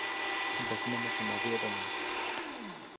Vezmeme to na vědomí.